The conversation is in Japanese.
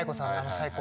最高。